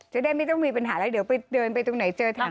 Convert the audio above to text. จะได้ไม่ต้องมีปัญหาแล้วเดี๋ยวไปเดินไปตรงไหนเจอทาง